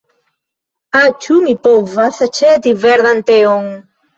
Ah, ĉu mi povas aĉeti verdan teon?